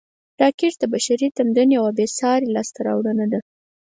راکټ د بشري تمدن یوه بېساري لاسته راوړنه ده